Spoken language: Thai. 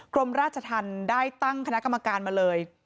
กรมราชธรรมได้ตั้งคณะกรรมการมาเลย